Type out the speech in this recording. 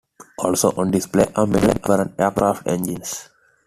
Also on display are many different aircraft engines.